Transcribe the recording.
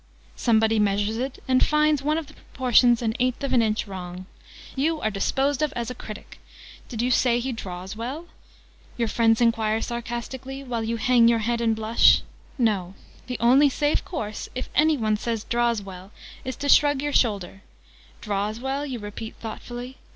Somebody measures it, and finds one of the proportions an eighth of an inch wrong. You are disposed of as a critic! 'Did you say he draws well?' your friends enquire sarcastically, while you hang your head and blush. No. The only safe course, if any one says 'draws well,' is to shrug your shoulders. 'Draws well?' you repeat thoughtfully.